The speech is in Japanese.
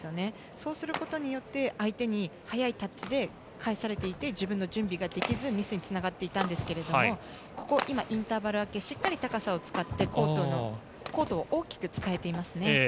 そうすることによって相手に速いタッチで返されていて自分の準備ができずミスにつながっていたんですがここ、今インターバル明けしっかり高さを使ってコートを大きく使えていますね。